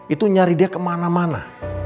itu nyari dia kemana mana